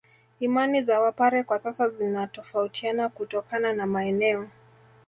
Imani za Wapare kwa sasa zinatofautiana kutokana na maeneo